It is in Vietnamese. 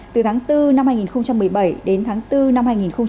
từ tháng bốn năm hai nghìn một mươi bảy đến tháng bốn năm hai nghìn một mươi chín